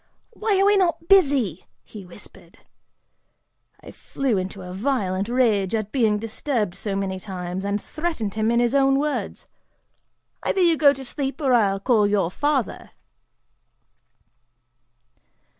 'Why are we not busy,' he whispered! I flew into a violent rage at being disturbed so many times, and threatened him in his own words, 'Either you go to sleep, or I'll call father!